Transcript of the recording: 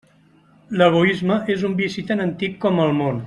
L'egoisme és un vici tan antic com el món.